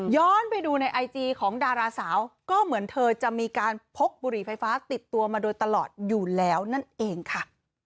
ไปดูในไอจีของดาราสาวก็เหมือนเธอจะมีการพกบุหรี่ไฟฟ้าติดตัวมาโดยตลอดอยู่แล้วนั่นเองค่ะ